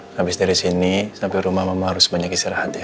habis dari sini sampai rumah memang harus banyak istirahat ya